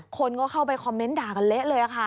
คนก็เข้าไปคอมเมนต์ด่ากันเละเลยค่ะ